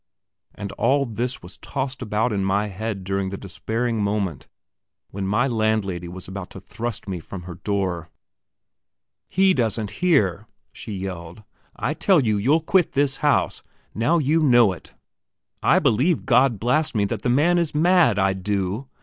And all this was tossed about in my head during the despairing moment when my landlady was about to thrust me from her door. "He doesn't hear," she yelled. "I tell you, you'll quit this house. Now you know it. I believe God blast me, that the man is mad, I do!